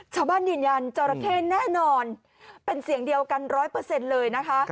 ชาวบ้านยืนยันจราแค่แน่นอนเป็นเสียงเดียวกัน๑๐๐เลยนะคะ